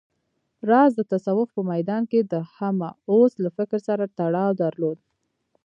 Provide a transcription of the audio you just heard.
راز د تصوف په ميدان کې د همه اوست له فکر سره تړاو درلود